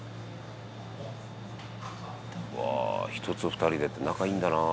「うわあ１つ２人でって仲いいんだな」